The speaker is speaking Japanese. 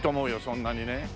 そんなにね。